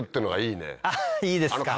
いいですか。